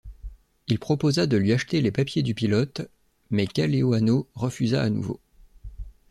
Il proposa de lui acheter les papiers du pilote, mais Kaleohano refusa à nouveau.